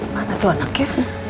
mana tuh anaknya